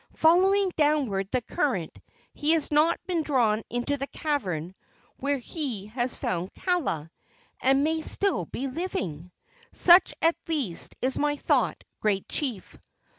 Following downward the current, has he not been drawn into the cavern, where he has found Kaala, and may still be living? Such, at least, is my thought, great chief."